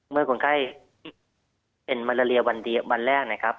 เมื่อคนไข้ที่เป็นมาลาเรียวันแรกนะครับ